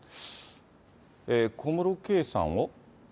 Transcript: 小室圭さんを。